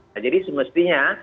nah jadi semestinya